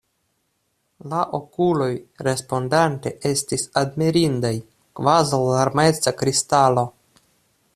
La okuloj respondante estis admirindaj, kvazaŭ larmeca kristalo.